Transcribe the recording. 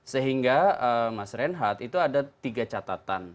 sehingga mas reinhardt itu ada tiga catatan